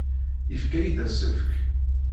Yefka-iyi-d asefk.